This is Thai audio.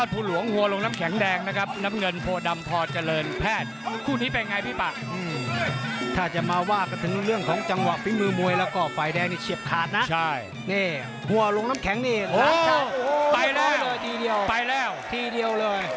ไปแล้วไปแล้วทีเดียวเลย